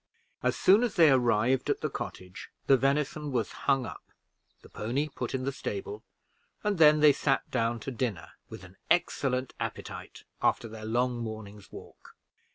As soon as they arrived at the cottage, the venison was hung up, the pony put in the stable, and then they sat down to dinner with an excellent appetite after their long morning's walk.